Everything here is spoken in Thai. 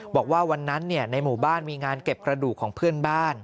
บอกว่าวันนั้นในหมู่บ้านมีงานเก็บกระดูกของเพื่อนบ้าน